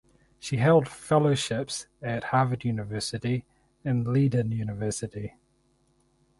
She held Fellowships at Harvard University and Leiden University.